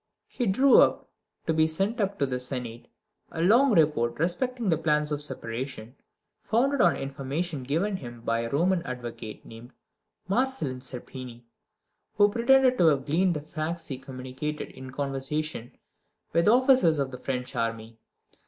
He drew up, to be sent to the Senate, a long report respecting the plans of separation, founded on information given him by a Roman advocate, named Marcelin Serpini; who pretended to have gleaned the facts he communicated in conversation with officers of the French army.